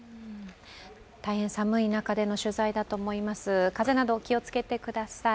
大変寒い中での取材だと思います、風邪などお気をつけください。